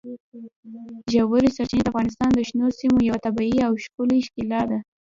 ژورې سرچینې د افغانستان د شنو سیمو یوه طبیعي او ښکلې ښکلا ده.